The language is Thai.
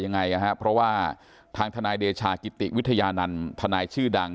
ยังไงเพราะว่าทางทนายเดชากิติวิทยานันต์ทนายชื่อดัง